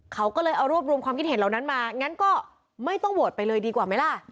เขาก็เลยเอารวบรวมความคิดเห็นเหล่านั้นมางั้นก็ไม่ต้องโหวตไปเลยดีกว่าไหมล่ะ